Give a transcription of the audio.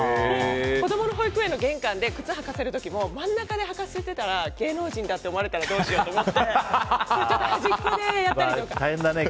子供の保育園の玄関で靴を履かせる時も真ん中で履かせてたら芸能人だって思われてたらどうしようって思ってちょっと端っこでやったりとか。